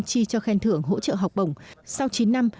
chi cho khen thưởng hỗ trợ học bổng sau chín năm